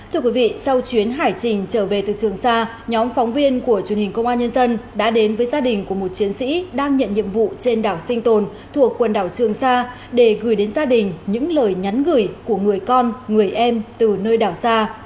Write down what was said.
thưa quý vị sau chuyến hải trình trở về từ trường xa nhóm phóng viên của truyền hình công an nhân dân đã đến với gia đình của một chiến sĩ đang nhận nhiệm vụ trên đảo sinh tồn thuộc quần đảo trường sa để gửi đến gia đình những lời nhắn gửi của người con người em từ nơi đảo xa